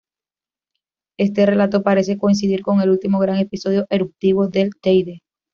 Este relato parece coincidir con el último gran episodio eruptivo del Teide.